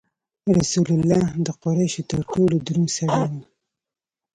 رسول الله د قریشو تر ټولو دروند سړی و.